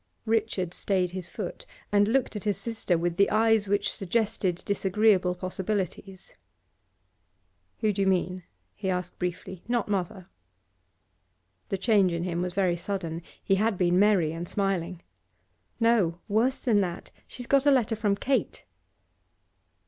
Richard stayed his foot, and looked at his sister with the eyes which suggested disagreeable possibilities. 'Who do you mean?' he asked briefly. 'Not mother?' The change in him was very sudden. He had been merry and smiling. 'No; worse than that. She's got a letter from Kate.